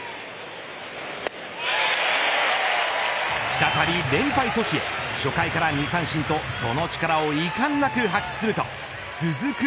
再び連敗阻止へ初回から２三振とその力をいかんなく発揮すると続く